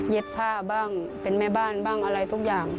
ผ้าบ้างเป็นแม่บ้านบ้างอะไรทุกอย่าง